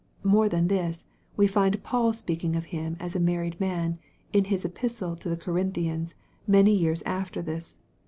More than this, we find Paul speaking of him as a married man, in his Epistle to the Corinthians, many years after this.